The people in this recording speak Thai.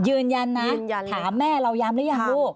ยืนยันนะถามแม่เราย้ำหรือยังลูก